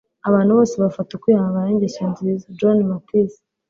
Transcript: abantu bose bafata. ukwihangana ni ingeso nziza. - johnny mathis